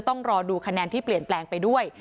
ต้องรอดูคะแนนที่เปลี่ยนแปลงไปด้วย